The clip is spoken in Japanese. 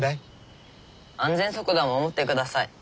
安全速度は守ってください。